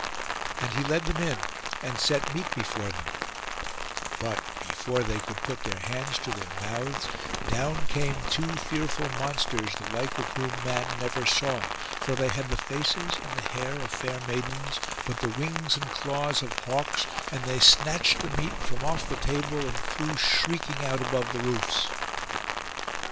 And he led them in, and set meat before them; but before they could put their hands to their mouths, down came two fearful monsters, the like of whom man never saw; for they had the faces and the hair of fair maidens, but the wings and claws of hawks; and they snatched the meat from off the table, and flew shrieking out above the roofs.